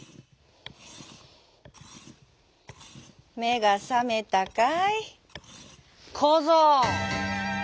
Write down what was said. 「めがさめたかいこぞう」。